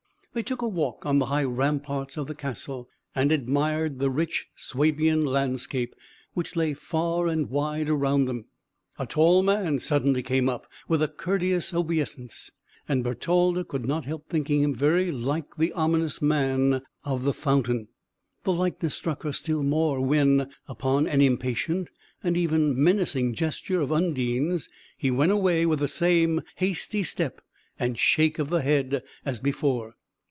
They took a walk on the high ramparts of the castle, and admired the rich Swabian landscape, which lay far and wide around them. A tall man suddenly came up, with a courteous obeisance; and Bertalda could not help thinking him very like the ominous man of the fountain. The likeness struck her still more, when, upon an impatient and even menacing gesture of Undine's, he went away with the same hasty step and shake of the head as before.